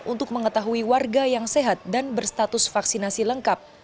untuk mengetahui warga yang sehat dan berstatus vaksinasi lengkap